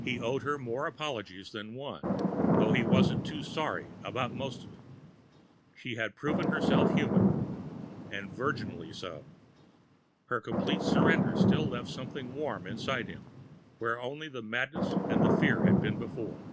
He owed her more apologies than one, though he wasn't too sorry about most of it. She had proven herself human. And virginally so. Her complete surrender still left something warm inside him, where only the madness and the fear had been before.